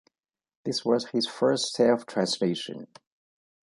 This was his first self-translation.